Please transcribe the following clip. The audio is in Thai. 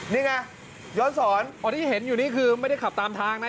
นี่ไงย้อนสอนอ๋อที่เห็นอยู่นี่คือไม่ได้ขับตามทางนะ